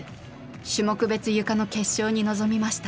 種目別ゆかの決勝に臨みました。